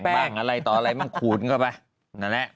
บ้างอะไรต่ออะไรบ้างขูดเข้าไปนั่นแหละ